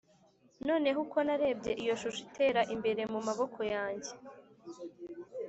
noneho uko narebye iyo shusho itera imbere mumaboko yanjye,